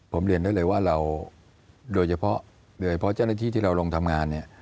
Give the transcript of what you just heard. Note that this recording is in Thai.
ผมเรียนได้เลยว่าเราโดยเฉพาะเจ้าหน้าที่ที่เราลงทำงาน